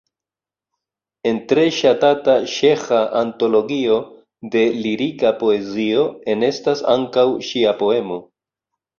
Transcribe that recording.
En tre ŝatata ĉeĥa antologio de lirika poezio enestas ankaŭ ŝia poemo.